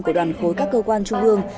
của đoàn khối các cơ quan trung ương